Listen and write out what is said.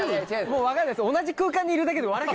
もう分かんないです